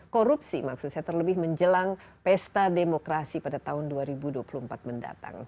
korupsi maksud saya terlebih menjelang pesta demokrasi pada tahun dua ribu dua puluh empat mendatang